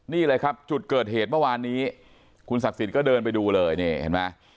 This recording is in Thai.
นี่เลยครับจุดเกิดเหตุอ่ะวนนี้คุณสักศิษย์ก็เดินไปดูเลยเนี่ยเห็นไหม